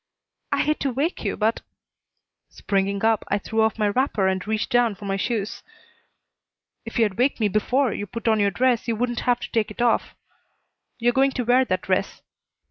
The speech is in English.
"I hate to wake you, but " Springing up, I threw off my wrapper and reached down for my shoes. "If you'd waked me before you put on your dress you wouldn't have to take it off. You're going to wear that dress."